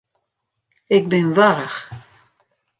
Ik bin warch.